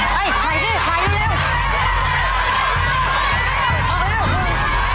ขายด้วยขายด้วยเร็ว